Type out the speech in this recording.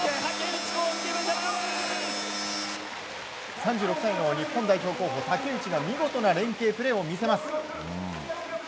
３６歳の日本代表候補竹内が見事な連係プレーを見せます。